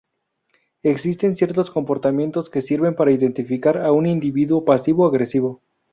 Existen ciertos comportamientos que sirven para identificar a un individuo pasivo-agresivo.